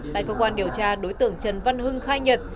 tại công an điều tra đối tượng trần văn hưng khai nhật